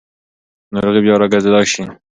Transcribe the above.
ناروغي بیا راګرځېدای شي.